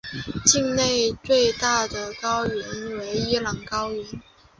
境内最大的高原为伊朗高原。